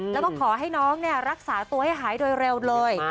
แล้วก็ขอให้น้องรักษาตัวให้หายโดยเร็วเลย